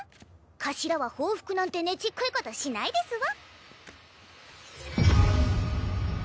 頭は報復なんてねちっこいことしないですわ。